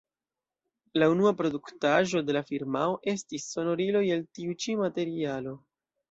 La unua produktaĵo de la firmao estis sonoriloj el tiu ĉi materialo.